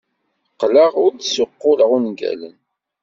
Qqleɣ ur d-ssuqquleɣ ungalen.